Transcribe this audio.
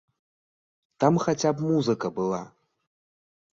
Там хаця б музыка была!